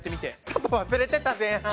ちょっと忘れてた前半。